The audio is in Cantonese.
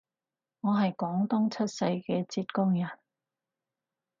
我係廣東出世嘅浙江人